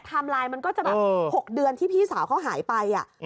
ไลน์มันก็จะแบบ๖เดือนที่พี่สาวเขาหายไป